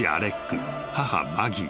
［母マギー。